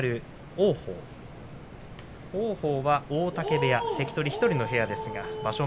王鵬は大嶽部屋関取１人の部屋ですが場所